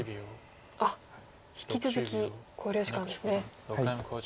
あっ引き続き考慮時間ですね。